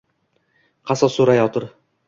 Qasos so’rayotir